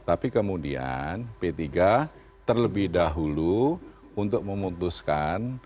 tapi kemudian p tiga terlebih dahulu untuk memutuskan